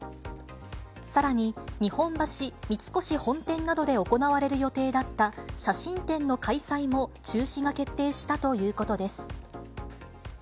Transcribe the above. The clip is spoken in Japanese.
さらに、日本橋三越本店などで行われる予定だった写真展の開催も中止が決定したということです。